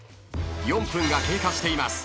４分が経過しています。